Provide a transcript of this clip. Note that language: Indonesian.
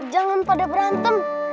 jangan pada berantem